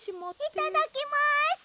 いただきます！